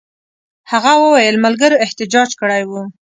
هغه وویل ملګرو احتجاج کړی وو.